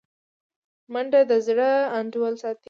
منډه د زړه انډول ساتي